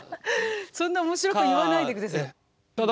そんな面白く言わないでください。か。か。